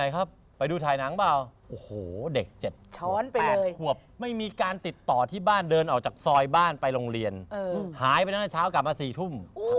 ข่ายหนังเปล่าโอ้โหเด็กเจ็ดไม่มีการติดต่อที่บ้านเดินออกจากซอยบ้านไปโรงเรียนหายไปนั้นช้ากลับมาสี่ทุ่ม